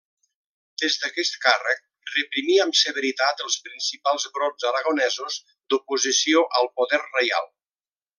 Des d'aquest càrrec reprimí amb severitat els principals brots aragonesos d'oposició al poder reial.